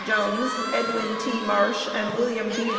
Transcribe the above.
Jones, Edwin T. Marsh and William B.